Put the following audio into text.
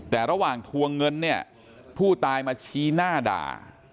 แต่ระหว่างทวงเงินเนี่ยผู้ตายมาชี้หน้าด่า